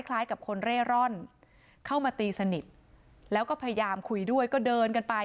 คล้ายกับคนเร่ร่อนเข้ามาตีสนิทแล้วก็พยายามคุยด้วยก็เดินกันไป